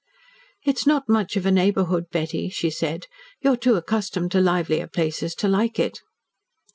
"It is not much of a neighbourhood, Betty," she said. "You are too accustomed to livelier places to like it."